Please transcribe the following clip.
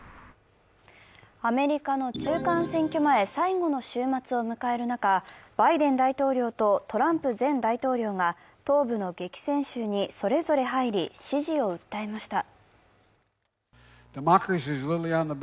アメリカの中間選挙前、最後の終末を迎える中、バイデン大統領とトランプ前大統領が東部の激戦州にそれぞれ入り、支持を訴えました。